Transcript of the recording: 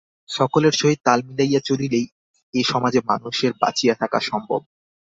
সকলের সহিত তাল মিলাইয়া চলিলেই এ-সমাজে মানুষের বাঁচিয়া থাকা সম্ভব।